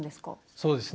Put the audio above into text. そうですね。